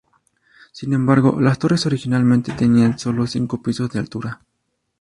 Sin embargo, las torres originalmente tenían solo cinco pisos de altura.